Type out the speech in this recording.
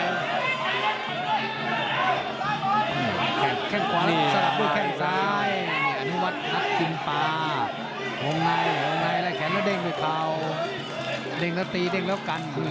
เรื่อยใกล้แดกเกินเกินทาง